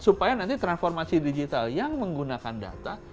supaya nanti transformasi digital yang menggunakan data